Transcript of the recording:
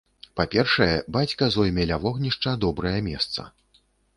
Па-першае, бацька зойме ля вогнішча добрае месца.